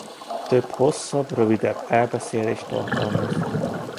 Több hosszabb-rövidebb elbeszélést tartalmaz.